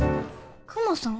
クマさん？